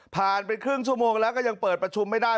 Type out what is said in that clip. ไปครึ่งชั่วโมงแล้วก็ยังเปิดประชุมไม่ได้